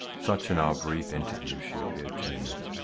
Such, in our brief interview, she appeared to me.